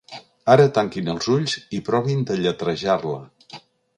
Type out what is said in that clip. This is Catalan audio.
Ara tanquin els ulls i provin de lletrejar-la.